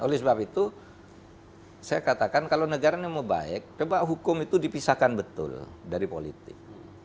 oleh sebab itu saya katakan kalau negara ini mau baik coba hukum itu dipisahkan betul dari politik